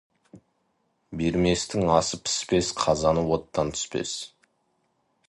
Берместің асы піспес, қазаны оттан түспес.